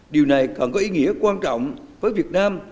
điều này còn có ý nghĩa quan trọng với việt nam